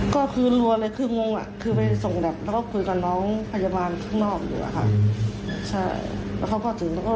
ก็คือรัวเลยคืองงอ่ะคือไปส่งแบบแล้วก็คุยกับน้องพยาบาลข้างนอกอยู่อะค่ะ